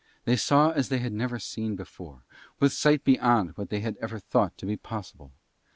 They saw as they had never seen before, with sight beyond what they had ever thought to be possible.